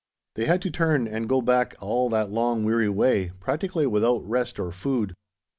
They had to turn and go back all that long weary way, practically without rest or food.